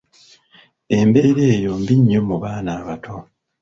Embeera eyo mbi nnyo mu baana abato.